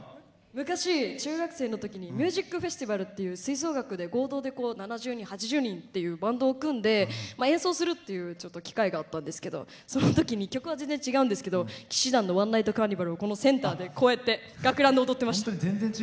昔、中学生のときにミュージックフェスティバルっていう吹奏楽で合同で７０人、８０人っていうバンドを組んで演奏するっていう機会があったんですけどそのときに曲は全然、違うんですけど氣志團の「ＯｎｅＮｉｇｈｔＣａｒｎｉｖａｌ」をこのセンターで学ランで踊ってました。